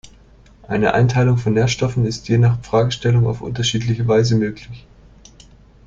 Eine Einteilung von Nährstoffen ist je nach Fragestellung auf unterschiedliche Weise möglich.